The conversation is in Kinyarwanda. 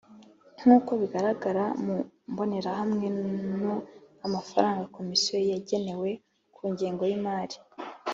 Nk uko bigaragara mu mbonerahamwe no amafaranga komisiyo yagenewe ku ngengo y imari